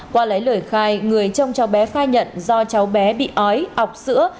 qua lấy lời khai người trông cháu bé khai nhận do cháu bé bị ói ọc sữa